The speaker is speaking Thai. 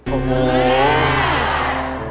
โอ้โห